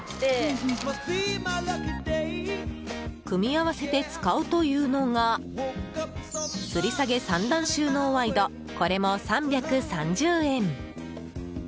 組み合わせて使うというのが吊り下げ三段収納ワイドこれも３３０円。